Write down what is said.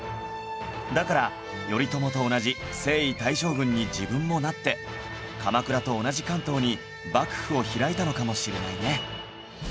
だから頼朝と同じ征夷大将軍に自分もなって鎌倉と同じ関東に幕府を開いたのかもしれないね